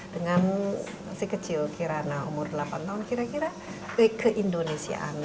dengan masih kecil kira kira umur delapan tahun kira kira ke indonesiaan